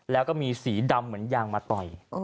แล้วก็มีสีดำเหมือนยางมาต่อย